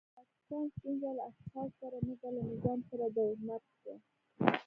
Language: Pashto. د پاکستان ستونزه له اشخاصو سره نده له نظام سره دی. مرګ په